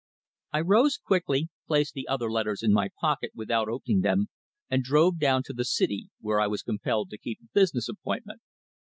I rose quickly, placed the other letters in my pocket without opening them, and drove down to the City, where I was compelled to keep a business appointment.